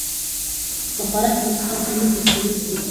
د خوراک او څښاک کمښت د ستړیا سبب ګرځي.